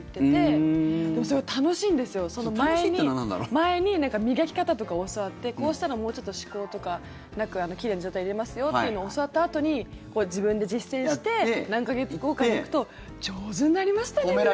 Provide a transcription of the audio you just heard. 前に磨き方とかを教わってこうしたらもうちょっと歯垢とかなく奇麗な状態でいれますよというのを教わったあとに自分で実践して何か月後かに行くと上手になりましたねって。